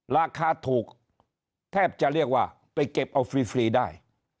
ราคาถูกแทบจะเรียกว่าไปเก็บเอาฟรีได้